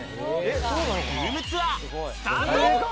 ルームツアー、スタート！